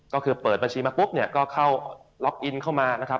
ก็คือเปิดบัญชีมาปุ๊บเนี่ยก็เข้าล็อกอินเข้ามานะครับ